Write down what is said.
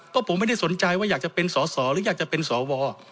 ก็ผมไม่ได้สนใจว่าอยากจะเป็นสอสอหรืออยากจะเป็นสว